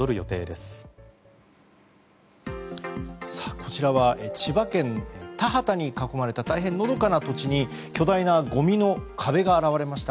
こちらは千葉県田畑に囲まれた大変のどかな土地に巨大なごみの壁が現れました。